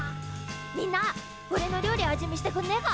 みんなおれの料理味見してくんねえか！？